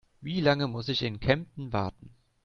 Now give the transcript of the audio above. Wie lange muss ich in Kempten warten?